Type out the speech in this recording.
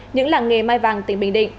những làng nghề mai vàng tỉnh bình định